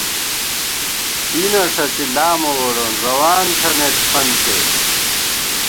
دینہ ݭڅی لامہ ووڑون ، روان تھنَئیت فنتے